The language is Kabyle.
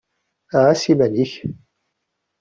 Ɛass iman-ik.